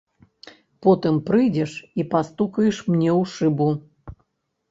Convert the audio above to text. Потым прыйдзеш і пастукаеш мне ў шыбу.